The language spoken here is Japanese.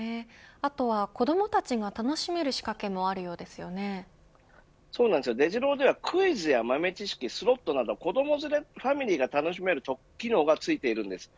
あとは、子どもたちが楽しめるデジローでは、クイズや豆知識スロットなど、子ども連れファミリーが楽しめる機能がついているんです。